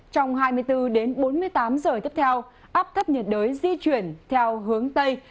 trong hai mươi bốn h tới bốn mươi tám h tiếp theo áp thấp nhiệt đới di chuyển theo hướng tây